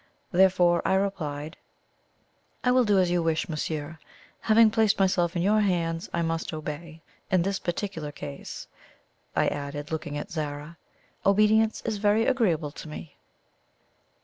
Therefore I replied: "I will do as you wish, monsieur. Having placed myself in your hands, I must obey. In this particular case," I added, looking at Zara, "obedience is very agreeable to me."